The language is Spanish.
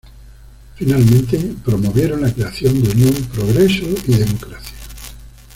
Finalmente promovieron la creación de Unión Progreso y Democracia.